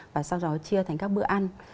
và sau đó chia thành các bữa ăn